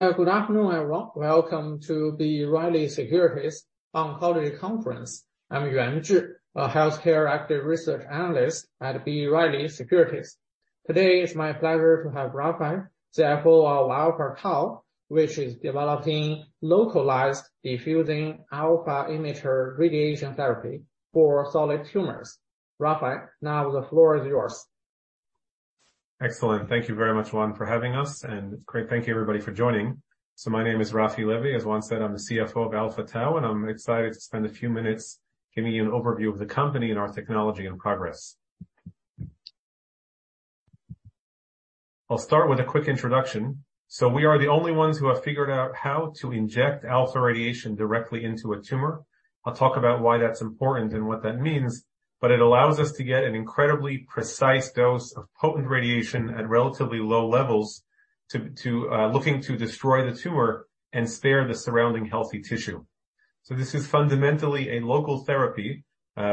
Good afternoon, everyone. Welcome to the B. Riley Securities oncology conference. I'm Yuan Zhi, a healthcare active research analyst at B. Riley Securities. Today, it's my pleasure to have Raphi, CFO of Alpha Tau, which is developing localized diffusing alpha emitter radiation therapy for solid tumors. Raphi, now the floor is yours. Excellent. Thank you very much, Yuan, for having us. Great, thank you, everybody, for joining. My name is Raphi Levy. As Yuan said, I'm the CFO of Alpha Tau, and I'm excited to spend a few minutes giving you an overview of the company and our technology and progress. I'll start with a quick introduction. We are the only ones who have figured out how to inject alpha radiation directly into a tumor. I'll talk about why that's important and what that means, it allows us to get an incredibly precise dose of potent radiation at relatively low levels to looking to destroy the tumor and spare the surrounding healthy tissue. This is fundamentally a local therapy.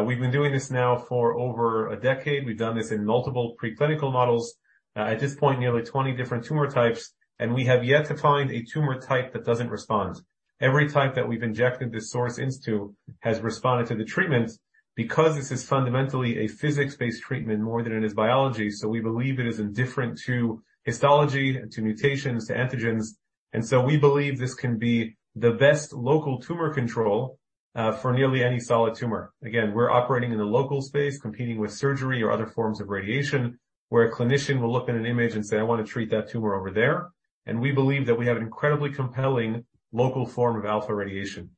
We've been doing this now for over a decade. We've done this in multiple preclinical models. At this point, nearly 20 different tumor types, and we have yet to find a tumor type that doesn't respond. Every type that we've injected this source into has responded to the treatment because this is fundamentally a physics-based treatment more than it is biology. We believe it is indifferent to histology, to mutations, to antigens. We believe this can be the best local tumor control for nearly any solid tumor. Again, we're operating in the local space, competing with surgery or other forms of radiation, where a clinician will look at an image and say, "I want to treat that tumor over there." We believe that we have an incredibly compelling local form of alpha radiation.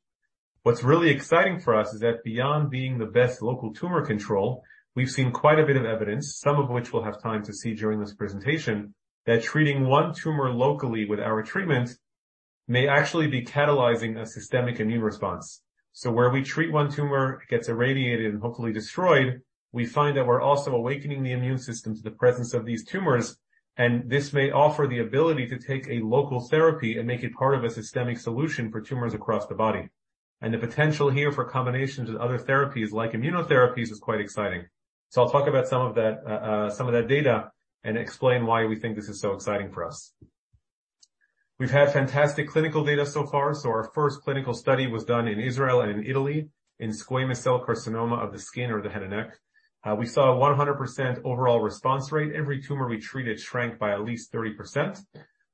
What's really exciting for us is that beyond being the best local tumor control, we've seen quite a bit of evidence, some of which we'll have time to see during this presentation, that treating one tumor locally with our treatment may actually be catalyzing a systemic immune response. Where we treat one tumor, it gets irradiated and hopefully destroyed, we find that we're also awakening the immune system to the presence of these tumors, and this may offer the ability to take a local therapy and make it part of a systemic solution for tumors across the body. The potential here for combinations with other therapies like immunotherapies is quite exciting. I'll talk about some of that, some of that data and explain why we think this is so exciting for us. We've had fantastic clinical data so far. Our first clinical study was done in Israel and in Italy in squamous cell carcinoma of the skin or the head and neck. We saw a 100% overall response rate. Every tumor we treated shrank by at least 30%.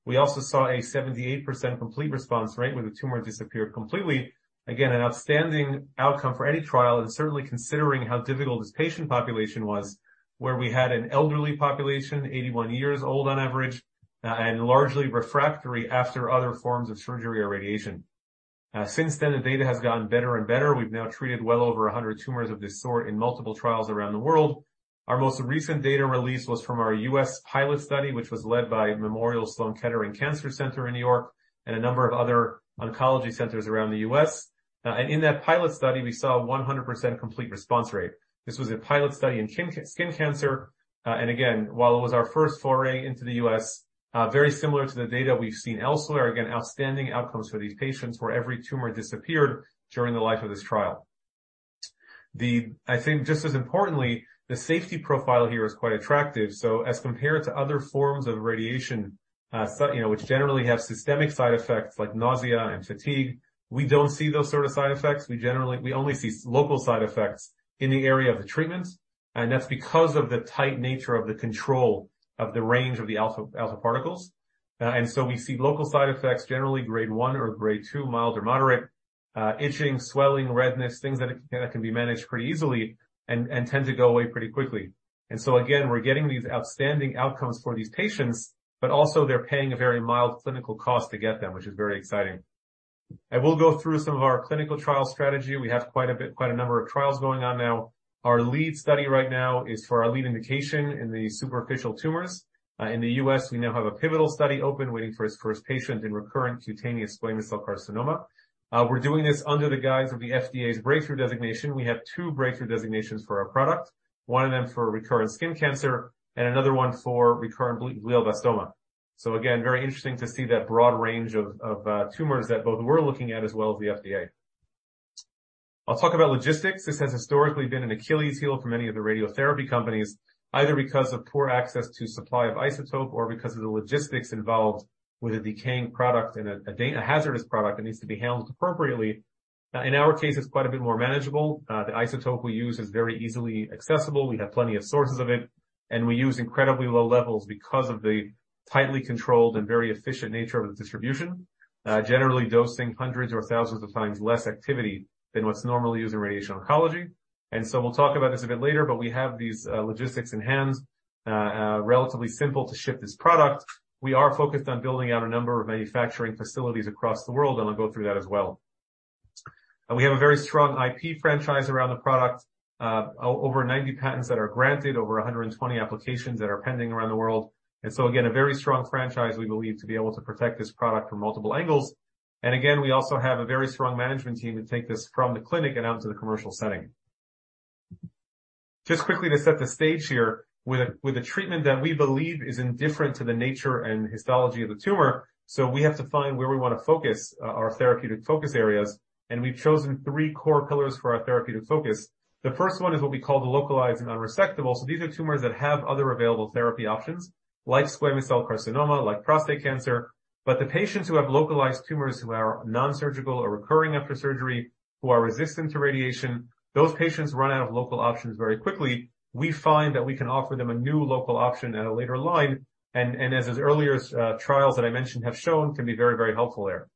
We also saw a 78% complete response rate where the tumor disappeared completely. Again, an outstanding outcome for any trial and certainly considering how difficult this patient population was, where we had an elderly population, 81 years old on average, and largely refractory after other forms of surgery or radiation. Since then, the data has gotten better and better. We've now treated well over 100 tumors of this sort in multiple trials around the world. Our most recent data release was from our U.S. pilot study, which was led by Memorial Sloan Kettering Cancer Center in New York and a number of other oncology centers around the U.S. In that pilot study, we saw a 100% complete response rate. This was a pilot study in skin cancer. Again, while it was our first foray into the U.S., very similar to the data we've seen elsewhere, again, outstanding outcomes for these patients where every tumor disappeared during the life of this trial. I think just as importantly, the safety profile here is quite attractive. As compared to other forms of radiation, you know, which generally have systemic side effects like nausea and fatigue, we don't see those sort of side effects. We only see local side effects in the area of the treatment, and that's because of the tight nature of the control of the range of the alpha particles. We see local side effects, generally grade 1or grade 2, mild or moderate, itching, swelling, redness, things that can be managed pretty easily and tend to go away pretty quickly. Again, we're getting these outstanding outcomes for these patients, but also they're paying a very mild clinical cost to get them, which is very exciting. I will go through some of our clinical trial strategy. We have quite a number of trials going on now. Our lead study right now is for our lead indication in the superficial tumors. In the U.S., we now have a pivotal study open, waiting for its first patient in recurrent cutaneous squamous cell carcinoma. We're doing this under the guise of the FDA's Breakthrough Designation. We have two Breakthrough Designations for our product, one of them for recurrent skin cancer and another one for recurrent glioblastoma. Again, very interesting to see that broad range of tumors that both we're looking at as well as the FDA. I'll talk about logistics. This has historically been an Achilles heel for many of the radiotherapy companies, either because of poor access to supply of isotope or because of the logistics involved with a decaying product and a hazardous product that needs to be handled appropriately. In our case, it's quite a bit more manageable. The isotope we use is very easily accessible. We have plenty of sources of it, and we use incredibly low levels because of the tightly controlled and very efficient nature of its distribution. Generally dosing hundreds or thousands of times less activity than what's normally used in radiation oncology. We'll talk about this a bit later, but we have these logistics in hand. Relatively simple to ship this product. We are focused on building out a number of manufacturing facilities across the world, and I'll go through that as well. We have a very strong IP franchise around the product. Over 90 patents that are granted, over 120 applications that are pending around the world. Again, a very strong franchise, we believe, to be able to protect this product from multiple angles. Again, we also have a very strong management team to take this from the clinic and out into the commercial setting. Just quickly to set the stage here with a treatment that we believe is indifferent to the nature and histology of the tumor. We have to find where we want to focus our therapeutic focus areas. We've chosen three core pillars for our therapeutic focus. The first one is what we call the localized and unresectable. These are tumors that have other available therapy options like squamous cell carcinoma, like prostate cancer. The patients who have localized tumors who are non-surgical or recurring after surgery, who are resistant to radiation, those patients run out of local options very quickly. We find that we can offer them a new local option at a later line, and as those earlier trials that I mentioned have shown, can be very helpful there.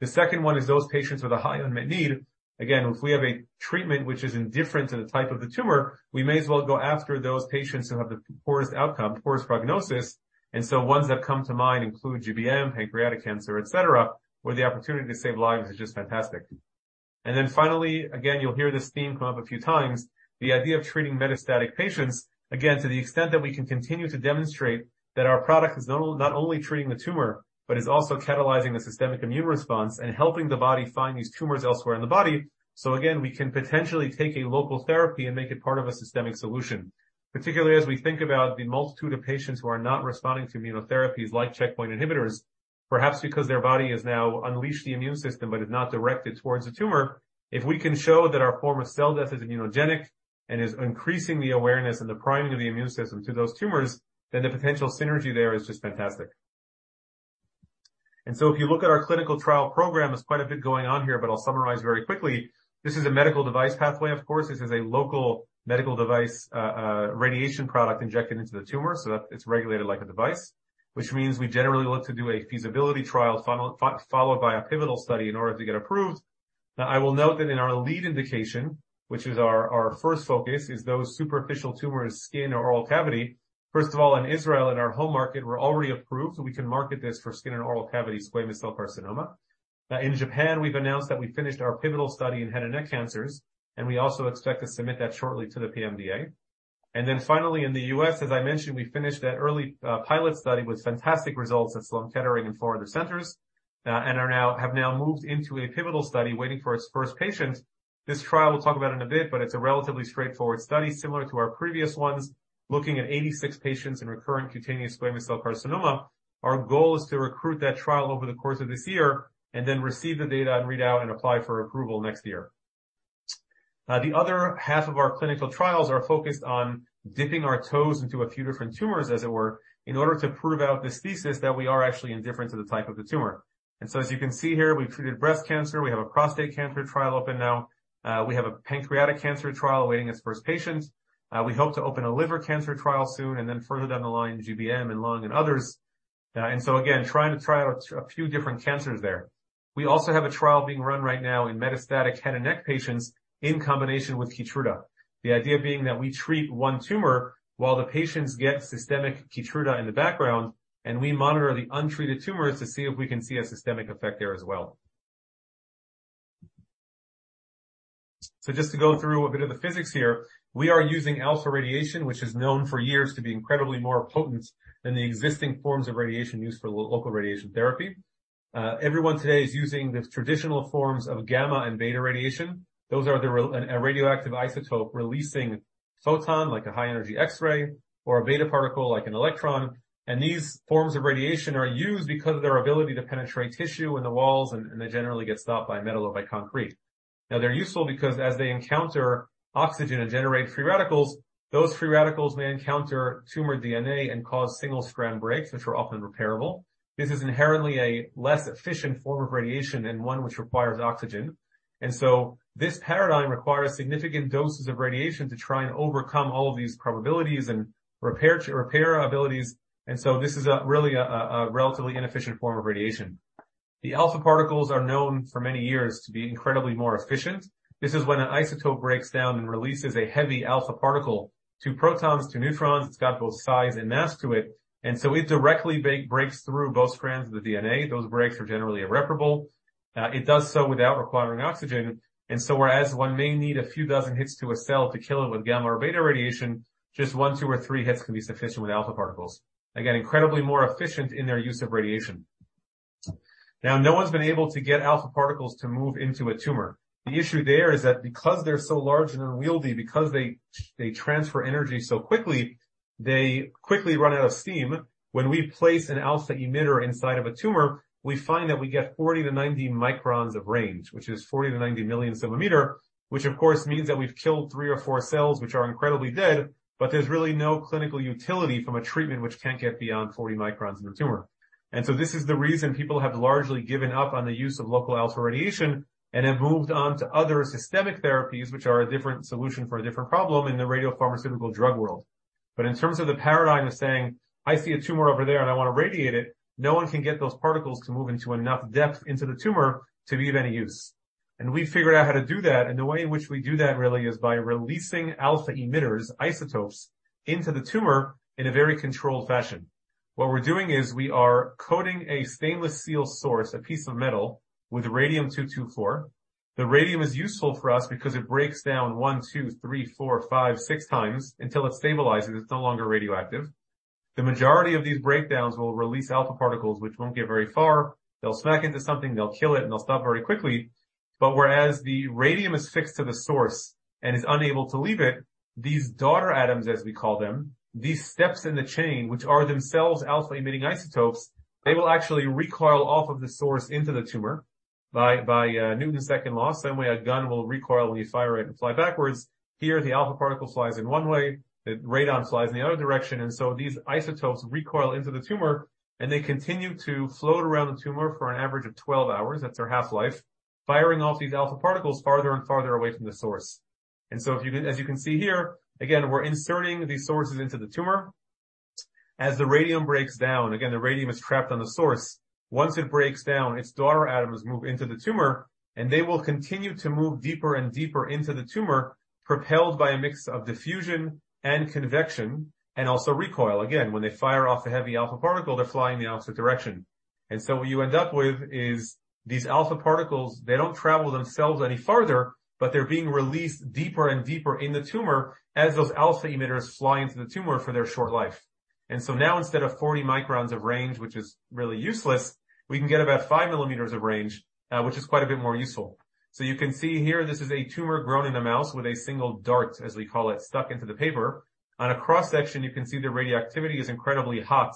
The second one is those patients with a high unmet need. Again, if we have a treatment which is indifferent to the type of the tumor, we may as well go after those patients who have the poorest outcome, poorest prognosis. Ones that come to mind include GBM, pancreatic cancer, etc., where the opportunity to save lives is just fantastic. Finally, again, you'll hear this theme come up a few times, the idea of treating metastatic patients, again, to the extent that we can continue to demonstrate that our product is not only treating the tumor, but is also catalyzing the systemic immune response and helping the body find these tumors elsewhere in the body. Again, we can potentially take a local therapy and make it part of a systemic solution. Particularly as we think about the multitude of patients who are not responding to immunotherapies like checkpoint inhibitors, perhaps because their body has now unleashed the immune system but has not directed towards the tumor. If we can show that our form of cell death is immunogenic and is increasing the awareness and the priming of the immune system to those tumors, the potential synergy there is just fantastic. If you look at our clinical trial program, there's quite a bit going on here, but I'll summarize very quickly. This is a medical device pathway, of course. This is a local medical device, radiation product injected into the tumor, so that it's regulated like a device. Means we generally look to do a feasibility trial followed by a pivotal study in order to get approved. I will note that in our lead indication, which is our first focus, is those superficial tumors, skin or oral cavity. In Israel, in our home market, we're already approved, so we can market this for skin and oral cavity squamous cell carcinoma. In Japan, we've announced that we finished our pivotal study in head and neck cancers, and we also expect to submit that shortly to the PMDA. Finally, in the U.S., as I mentioned, we finished that early pilot study with fantastic results at Sloan Kettering and four other centers and have now moved into a pivotal study waiting for its first patients. This trial, we'll talk about in a bit, but it's a relatively straightforward study similar to our previous ones, looking at 86 patients in recurrent cutaneous squamous cell carcinoma. Our goal is to recruit that trial over the course of this year and then receive the data and read out and apply for approval next year. The other half of our clinical trials are focused on dipping our toes into a few different tumors, as it were, in order to prove out this thesis that we are actually indifferent to the type of the tumor. As you can see here, we've treated breast cancer. We have a prostate cancer trial open now. We have a pancreatic cancer trial awaiting its first patients. We hope to open a liver cancer trial soon and then further down the line, GBM and lung and others. Again, trying to try out a few different cancers there. We also have a trial being run right now in metastatic head and neck patients in combination with Keytruda. The idea being that we treat one tumor while the patients get systemic Keytruda in the background, and we monitor the untreated tumors to see if we can see a systemic effect there as well. Just to go through a bit of the physics here, we are using alpha radiation, which is known for years to be incredibly more potent than the existing forms of radiation used for local radiation therapy. Everyone today is using the traditional forms of gamma and beta radiation. Those are a radioactive isotope releasing photon like a high-energy X-ray or a beta particle like an electron. These forms of radiation are used because of their ability to penetrate tissue and the walls, and they generally get stopped by metal or by concrete. They're useful because as they encounter oxygen and generate free radicals, those free radicals may encounter tumor DNA and cause single-strand breaks, which are often repairable. This is inherently a less efficient form of radiation and one which requires oxygen. This paradigm requires significant doses of radiation to try and overcome all of these probabilities and repair abilities. This is a really a relatively inefficient form of radiation. The alpha particles are known for many years to be incredibly more efficient. This is when an isotope breaks down and releases a heavy alpha particle, two protons, two neutrons. It's got both size and mass to it. It directly breaks through both strands of the DNA. Those breaks are generally irreparable. It does so without requiring oxygen. Whereas one may need a few dozen hits to a cell to kill it with gamma or beta radiation, just one, two, or three hits can be sufficient with alpha particles. Again, incredibly more efficient in their use of radiation. Now, no one's been able to get alpha particles to move into a tumor. The issue there is that because they're so large and unwieldy, because they transfer energy so quickly, they quickly run out of steam. When we place an alpha emitter inside of a tumor, we find that we get 40 microns-90 microns of range, which is 40 millions-90 millions of a meter, which of course means that we've killed 3three cells or four cells, which are incredibly dead, but there's really no clinical utility from a treatment which can't get beyond 40 microns in a tumor. This is the reason people have largely given up on the use of local alpha radiation and have moved on to other systemic therapies, which are a different solution for a different problem in the radiopharmaceutical drug world. In terms of the paradigm of saying, "I see a tumor over there and I want to radiate it," no one can get those particles to move into enough depth into the tumor to be of any use. We've figured out how to do that, and the way in which we do that really is by releasing alpha emitters, isotopes, into the tumor in a very controlled fashion. What we're doing is we are coating a stainless steel source, a piece of metal, with radium two two four. The radium is useful for us because it breaks downone, two, three, four, five, six times until it stabilizes. It's no longer radioactive. The majority of these breakdowns will release alpha particles, which won't get very far. They'll smack into something, they'll kill it, and they'll stop very quickly. Whereas the radium is fixed to the source and is unable to leave it, these daughter atoms, as we call them, these steps in the chain, which are themselves alpha-emitting isotopes, they will actually recoil off of the source into the tumor. By Newton's second law, same way a gun will recoil when you fire it and fly backwards. Here, the alpha particle flies in one way, the Radon flies in the other direction. These isotopes recoil into the tumor, and they continue to float around the tumor for an average of 12 hours, that's their half-life, firing off these alpha particles farther and farther away from the source. As you can see here, again, we're inserting these sources into the tumor. As the radium breaks down, again, the radium is trapped on the source. Once it breaks down, its daughter atoms move into the tumor, and they will continue to move deeper and deeper into the tumor, propelled by a mix of diffusion and convection, and also recoil. Again, when they fire off the heavy alpha particle, they fly in the opposite direction. What you end up with is these alpha particles, they don't travel themselves any farther, but they're being released deeper and deeper in the tumor as those alpha emitters fly into the tumor for their short life. Now instead of 40 microns of range, which is really useless, we can get about 5 mm of range, which is quite a bit more useful. You can see here, this is a tumor grown in a mouse with a single dart, as we call it, stuck into the paper. On a cross-section, you can see the radioactivity is incredibly hot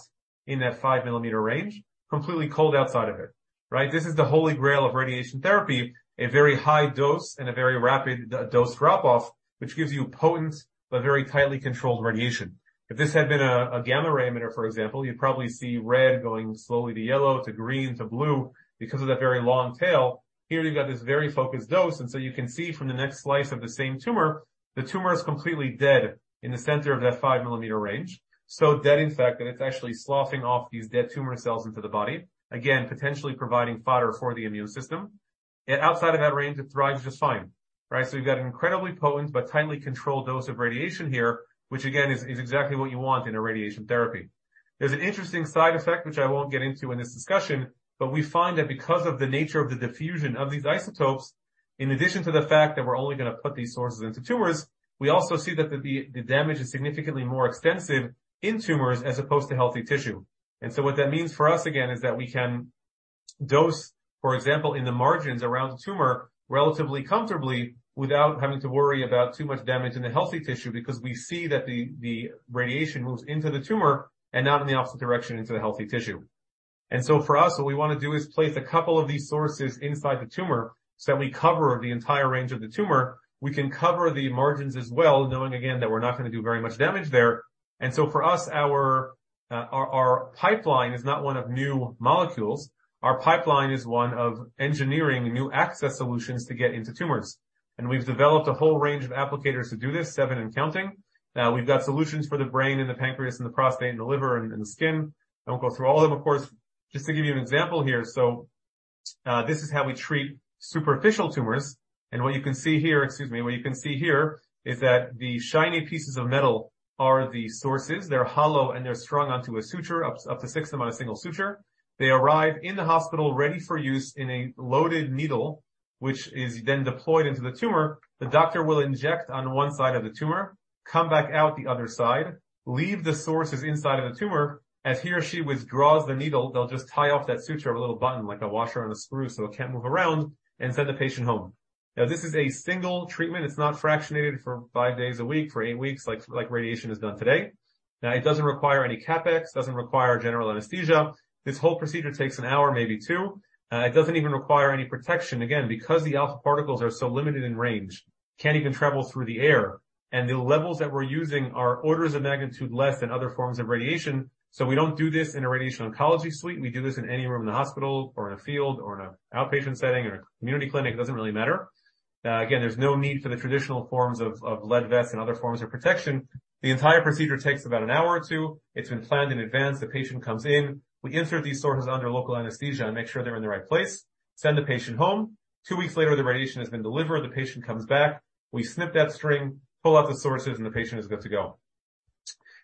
in that 5 mm range, completely cold outside of it, right? This is the holy grail of radiation therapy, a very high dose and a very rapid dose drop-off, which gives you potent but very tightly controlled radiation. If this had been a gamma ray emitter, for example, you'd probably see red going slowly to yellow, to green, to blue because of that very long tail. Here you've got this very focused dose, and so you can see from the next slice of the same tumor, the tumor is completely dead in the center of that 5 mm range. So dead, in fact, that it's actually sloughing off these dead tumor cells into the body, again, potentially providing fodder for the immune system. Yet outside of that range, it thrives just fine, right? We've got an incredibly potent but tightly controlled dose of radiation here, which again, is exactly what you want in a radiation therapy. There's an interesting side effect, which I won't get into in this discussion, but we find that because of the nature of the diffusion of these isotopes, in addition to the fact that we're only gonna put these sources into tumors, we also see that the damage is significantly more extensive in tumors as opposed to healthy tissue. What that means for us again, is that we can dose, for example, in the margins around the tumor relatively comfortably without having to worry about too much damage in the healthy tissue because we see that the radiation moves into the tumor and not in the opposite direction into the healthy tissue. For us, what we wanna do is place a couple of these sources inside the tumor, so that we cover the entire range of the tumor. We can cover the margins as well, knowing again that we're not gonna do very much damage there. For us, our pipeline is not one of new molecules. Our pipeline is one of engineering new access solutions to get into tumors. We've developed a whole range of applicators to do this, seven and counting. We've got solutions for the brain, and the pancreas, and the prostate, and the liver, and the skin. I won't go through all of them, of course. Just to give you an example here. This is how we treat superficial tumors. What you can see here. Excuse me. What you can see here is that the shiny pieces of metal are the sources. They're hollow, and they're strung onto a suture, up to six of them on a single suture. They arrive in the hospital ready for use in a loaded needle, which is then deployed into the tumor. The doctor will inject on one side of the tumor, come back out the other side, leave the sources inside of the tumor. As he or she withdraws the needle, they'll just tie off that suture a little button, like a washer on a screw, so it can't move around and send the patient home. This is a single treatment. It's not fractionated for five days a week for eight weeks, like radiation is done today. It doesn't require any CapEx, doesn't require general anesthesia. This whole procedure takes one hour, maybe two hours. It doesn't even require any protection. Again, because the alpha particles are so limited in range, can't even travel through the air. The levels that we're using are orders of magnitude less than other forms of radiation. We don't do this in a radiation oncology suite. We do this in any room in the hospital or in a field or in an outpatient setting or a community clinic. It doesn't really matter. Again, there's no need for the traditional forms of lead vests and other forms of protection. The entire procedure takes about an hour or two. It's been planned in advance. The patient comes in. We insert these sources under local anesthesia and make sure they're in the right place. Send the patient home. Two weeks later, the radiation has been delivered. The patient comes back. We snip that string, pull out the sources, and the patient is good to go.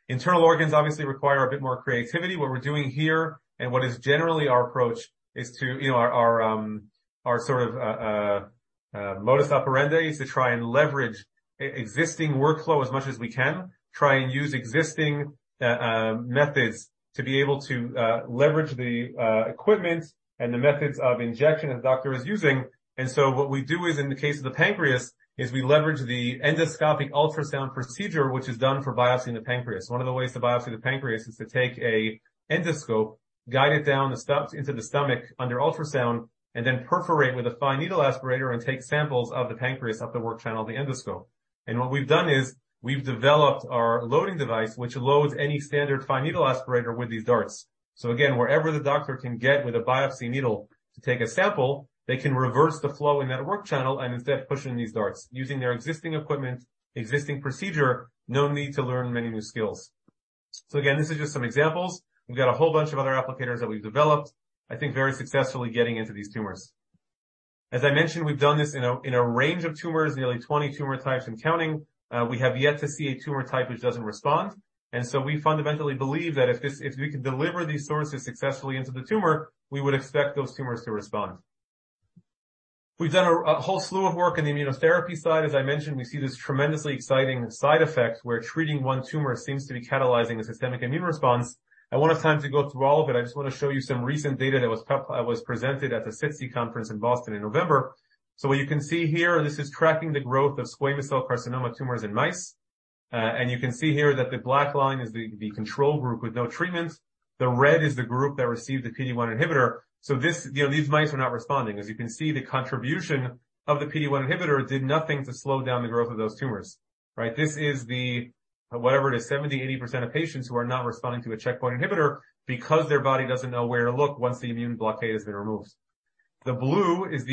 Internal organs obviously require a bit more creativity. What we're doing here, and what is generally our approach is to, you know, our sort of modus operandi is to try and leverage existing workflow as much as we can, try and use existing methods to be able to leverage the equipment and the methods of injection that the doctor is using. What we do is, in the case of the pancreas, we leverage the endoscopic ultrasound procedure, which is done for biopsying the pancreas. One of the ways to biopsy the pancreas is to take an endoscope, guide it down into the stomach under ultrasound. Then perforate with a fine needle aspirator and take samples of the pancreas up the work channel of the endoscope. What we've done is we've developed our loading device, which loads any standard fine needle aspirator with these darts. Again, wherever the doctor can get with a biopsy needle to take a sample, they can reverse the flow in that work channel and instead push in these darts using their existing equipment, existing procedure, no need to learn many new skills. Again, this is just some examples. We've got a whole bunch of other applicators that we've developed, I think, very successfully getting into these tumors. As I mentioned, we've done this in a range of tumors, nearly 20 tumor types and counting. We have yet to see a tumor type which doesn't respond. We fundamentally believe that if we could deliver these sources successfully into the tumor, we would expect those tumors to respond. We've done a whole slew of work on the immunotherapy side. As I mentioned, we see this tremendously exciting side effect where treating one tumor seems to be catalyzing a systemic immune response. I won't have time to go through all of it. I just wanna show you some recent data that was presented at the SITC conference in Boston in November. What you can see here, this is tracking the growth of squamous cell carcinoma tumors in mice. You can see here that the black line is the control group with no treatment. The red is the group that received the PD-1 inhibitor. You know, these mice were not responding. As you can see, the contribution of the PD-1 inhibitor did nothing to slow down the growth of those tumors, right? This is the 70%-80% of patients who are not responding to a checkpoint inhibitor because their body doesn't know where to look once the immune blockade has been removed. The blue is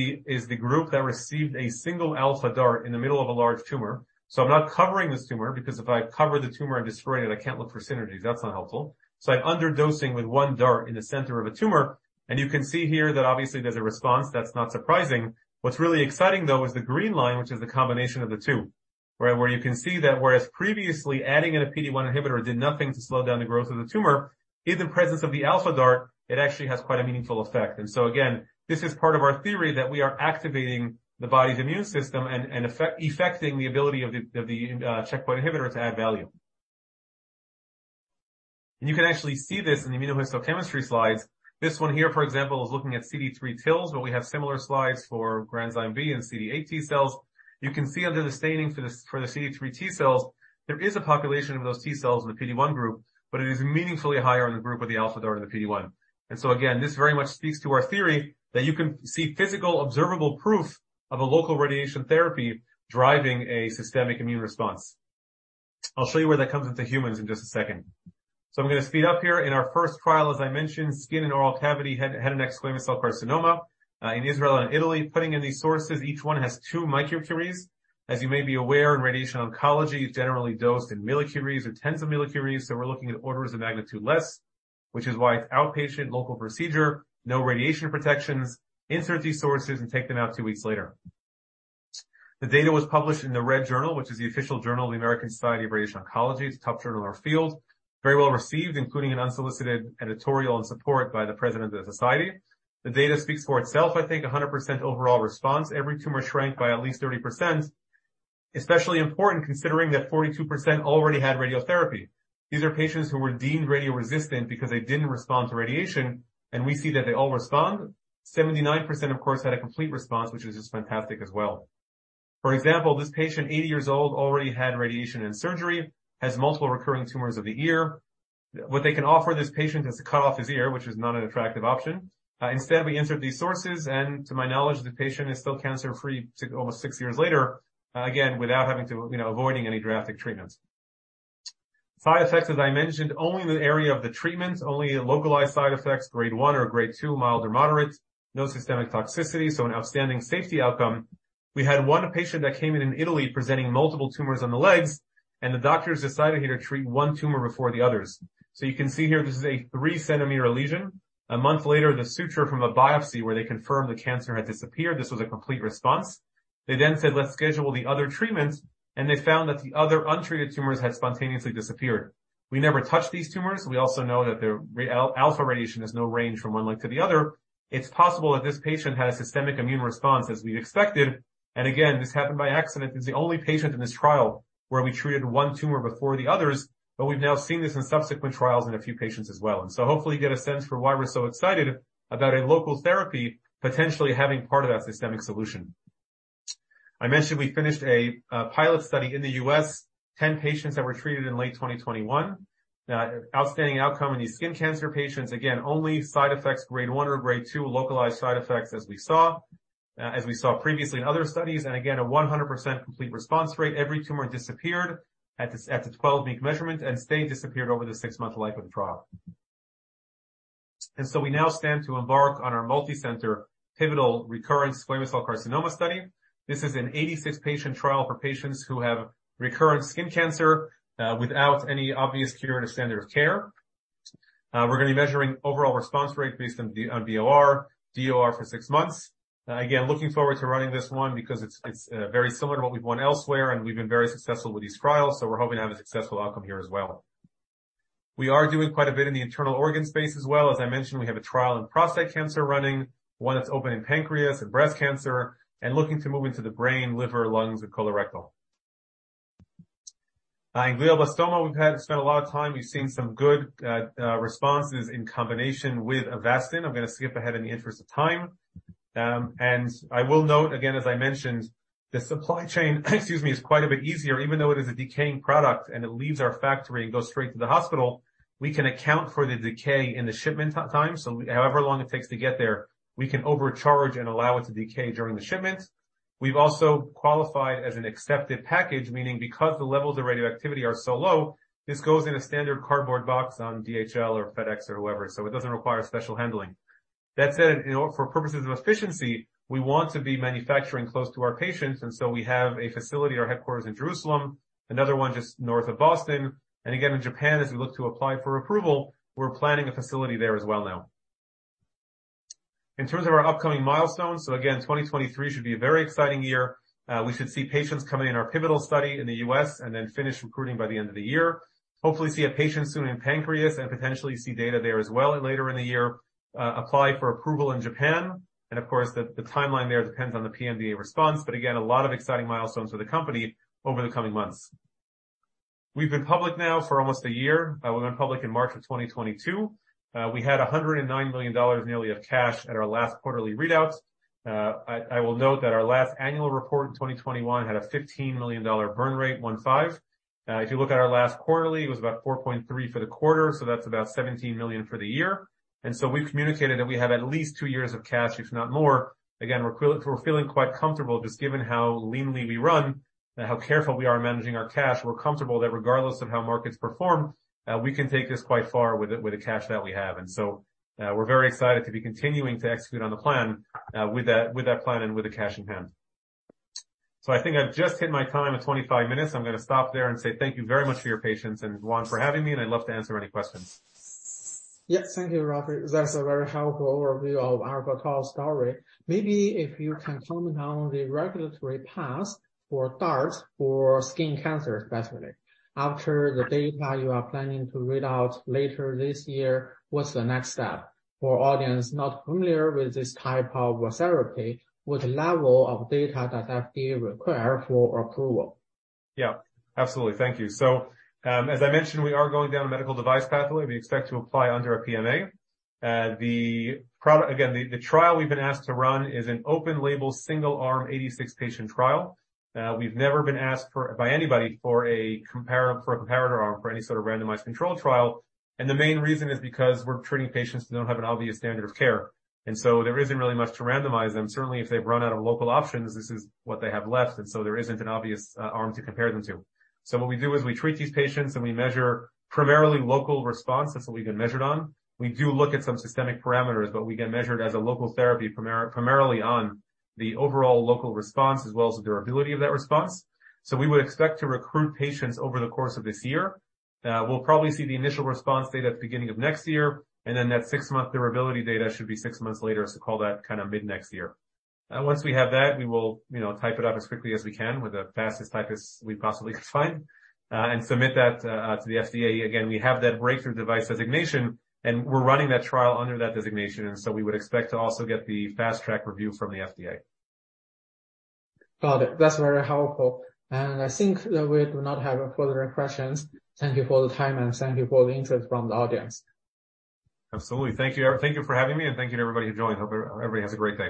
the group that received a single Alpha DaRT in the middle of a large tumor. I'm not covering this tumor because if I cover the tumor, I'm destroying it, I can't look for synergies. That's not helpful. I'm underdosing with one DaRT in the center of a tumor, and you can see here that obviously there's a response that's not surprising. What's really exciting, though, is the green line, which is the combination of the two, right? Where you can see that whereas previously adding in a PD-1 inhibitor did nothing to slow down the growth of the tumor. In the presence of the Alpha DaRT, it actually has quite a meaningful effect. Again, this is part of our theory that we are activating the body's immune system and effecting the ability of the, of the checkpoint inhibitor to add value. You can actually see this in the immunohistochemistry slides. This one here, for example, is looking at CD3 T cells, but we have similar slides for Granzyme B and CD8 T cells. You can see under the staining for the CD3 T cells, there is a population of those T cells in the PD-1 group, but it is meaningfully higher in the group with the Alpha DaRT and the PD-1. Again, this very much speaks to our theory that you can see physical, observable proof of a local radiation therapy driving a systemic immune response. I'll show you where that comes into humans in just a second. I'm gonna speed up here. In our first trial, as I mentioned, skin and oral cavity, head and neck squamous cell carcinoma, in Israel and Italy. Putting in these sources, each one has two microcuries. As you may be aware, in radiation oncology, it's generally dosed in millicuries or tens of millicuries, so we're looking at orders of magnitude less, which is why it's outpatient local procedure, no radiation protections. Insert these sources and take them out two weeks later. The data was published in the Red Journal, which is the official journal of the American Society for Radiation Oncology. It's the top journal in our field. Very well received, including an unsolicited editorial and support by the president of the society. The data speaks for itself, I think. 100% overall response. Every tumor shrank by at least 30%, especially important considering that 42% already had radiotherapy. These are patients who were deemed radioresistant because they didn't respond to radiation, and we see that they all respond. 79%, of course, had a complete response, which is just fantastic as well. For example, this patient, 80 years old, already had radiation and surgery, has multiple recurring tumors of the ear. What they can offer this patient is to cut off his ear, which is not an attractive option. Instead, we insert these sources, and to my knowledge, the patient is still cancer-free almost si years later, again, without having to, you know, avoiding any drastic treatments. Side effects, as I mentioned, only in the area of the treatments, only localized side effects, grade 1 or grade 2, mild or moderate. No systemic toxicity. An outstanding safety outcome. We had one patient that came in in Italy presenting multiple tumors on the legs. The doctors decided here to treat one tumor before the others. You can see here this is a 3 cm lesion. A month later, the suture from a biopsy where they confirmed the cancer had disappeared. This was a complete response. They then said, "Let's schedule the other treatments," and they found that the other untreated tumors had spontaneously disappeared. We never touched these tumors. We also know that their alpha radiation has no range from one leg to the other. It's possible that this patient had a systemic immune response as we'd expected. Again, this happened by accident. It's the only patient in this trial where we treated one tumor before the others, but we've now seen this in subsequent trials in a few patients as well. Hopefully you get a sense for why we're so excited about a local therapy potentially having part of that systemic solution. I mentioned we finished a pilot study in the U.S., 10 patients that were treated in late 2021. Outstanding outcome in these skin cancer patients. Again, only side effects grade one or grade two, localized side effects as we saw previously in other studies. Again, a 100% complete response rate. Every tumor disappeared at the 12-week measurement and stayed disappeared over the six-month life of the trial. We now stand to embark on our multicenter pivotal recurrent squamous cell carcinoma study. This is an 86-patient trial for patients who have recurrent skin cancer without any obvious curative standard of care. We're gonna be measuring overall response rate based on DOR for six months. Again, looking forward to running this one because it's very similar to what we've won elsewhere, and we've been very successful with these trials, so we're hoping to have a successful outcome here as well. We are doing quite a bit in the internal organ space as well. As I mentioned, we have a trial in prostate cancer running, one that's open in pancreas and breast cancer, and looking to move into the brain, liver, lungs, and colorectal. In glioblastoma, we've had spent a lot of time. We've seen some good responses in combination with Avastin. I'm gonna skip ahead in the interest of time. I will note again, as I mentioned, the supply chain, excuse me, is quite a bit easier. Even though it is a decaying product and it leaves our factory and goes straight to the hospital, we can account for the decay in the shipment time. However long it takes to get there, we can overcharge and allow it to decay during the shipment. We've also qualified as an accepted package, meaning because the levels of radioactivity are so low, this goes in a standard cardboard box on DHL or FedEx or whoever, so it doesn't require special handling. That said, for purposes of efficiency, we want to be manufacturing close to our patients, and so we have a facility at our headquarters in Jerusalem, another one just north of Boston. Again, in Japan, as we look to apply for approval, we're planning a facility there as well now. In terms of our upcoming milestones, so again, 2023 should be a very exciting year. We should see patients coming in our pivotal study in the U.S. and then finish recruiting by the end of the year. Hopefully see a patient soon in pancreas and potentially see data there as well later in the year. Apply for approval in Japan and of course, the timeline there depends on the PMDA response, but again, a lot of exciting milestones for the company over the coming months. We've been public now for almost a year. We went public in March of 2022. We had $109 million nearly of cash at our last quarterly readout. I will note that our last annual report in 2021 had a $15 million burn rate, one five. If you look at our last quarterly, it was about $4.3 for the quarter, so that's about $17 million for the year. We've communicated that we have at least two years of cash, if not more. Again, we're feeling quite comfortable just given how leanly we run and how careful we are managing our cash. We're comfortable that regardless of how markets perform, we can take this quite far with the cash that we have. We're very excited to be continuing to execute on the plan with that plan and with the cash in hand. I think I've just hit my time of 25 minutes. I'm gonna stop there and say thank you very much for your patience and Yuan for having me, and I'd love to answer any questions. Thank you, Raphi. That's a very helpful overview of Alpha Tau story. Maybe if you can comment on the regulatory path for DART for skin cancer especially. After the data you are planning to read out later this year, what's the next step? For audience not familiar with this type of therapy, what level of data does FDA require for approval? Yeah, absolutely. Thank you. As I mentioned, we are going down a medical device pathway. We expect to apply under a PMA. Again, the trial we've been asked to run is an open label, single arm, 86 patient trial. We've never been asked by anybody for a comparator arm for any sort of randomized controlled trial. The main reason is because we're treating patients who don't have an obvious standard of care. There isn't really much to randomize them. Certainly, if they've run out of local options, this is what they have left, there isn't an obvious arm to compare them to. What we do is we treat these patients, and we measure primarily local response. That's what we get measured on. We do look at some systemic parameters, but we get measured as a local therapy primarily on the overall local response as well as the durability of that response. We would expect to recruit patients over the course of this year. We'll probably see the initial response data at the beginning of next year, and then that six-month durability data should be six months later. Call that kind of mid-next year. Once we have that, we will, you know, type it up as quickly as we can with the fastest typist we possibly could find, and submit that to the FDA. Again, we have that Breakthrough Device designation, and we're running that trial under that designation. We would expect to also get the fast-track review from the FDA. Got it. That's very helpful. I think that we do not have any further questions. Thank you for the time, and thank you for the interest from the audience. Absolutely. Thank you, thank you for having me, and thank you to everybody who joined. Hope everyone has a great day.